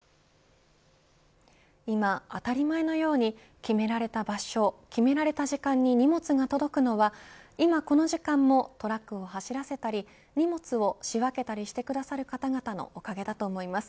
私たちもこれまでの当たり前を見直して変わっていく必要が今、当たり前のように決められた場所決められた時間に荷物が届くのは今、この時間もトラックを走らせたり荷物を仕分けたりしてくださる方々のおかげだと思います。